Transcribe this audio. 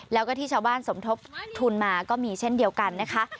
แล้วก็ที่ชาวบ้านสมทบทุนมาก็มีเช่นเดียวกันนะคะ